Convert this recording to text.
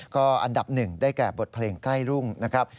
ก็อันดับหนึ่งได้แก่บทเพลงใกล้รุ่งนะครับ